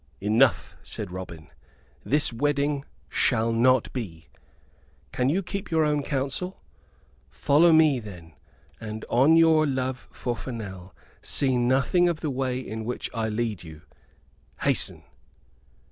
"Enough," said Robin, "this wedding shall not be. Can you keep your own counsel? Follow me then; and on your love for Fennel, see nothing of the way in which I lead you. Hasten."